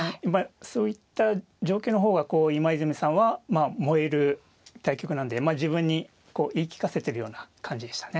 そういった状況の方が今泉さんは燃える対局なんで自分に言い聞かせてるような感じでしたね。